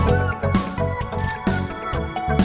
udah ada sumpah